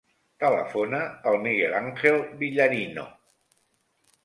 Telefona al Miguel àngel Villarino.